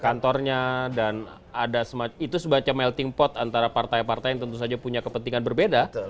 kantornya dan ada itu semacam melting pot antara partai partai yang tentu saja punya kepentingan berbeda